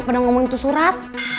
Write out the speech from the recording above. pada ngomongin tuh surat